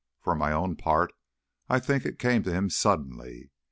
For my own part, I think it came to him suddenly.